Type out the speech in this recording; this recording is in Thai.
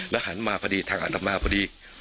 หันมาพอดีทางอัตมาพอดี